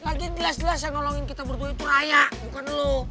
makin jelas jelas yang nolongin kita berdua itu raya bukan lo